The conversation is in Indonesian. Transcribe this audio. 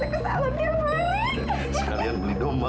sekalian beli dong mbak